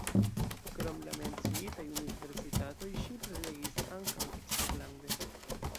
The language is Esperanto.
Krom la menciitaj universitatoj ŝi prelegis ankaŭ eksterlande.